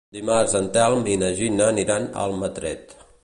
Dimarts en Telm i na Gina aniran a Almatret.